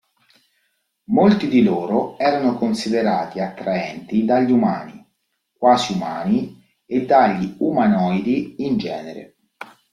Molti di loro erano considerati attraenti dagli umani, quasi-umani, e dagli umanoidi in genere.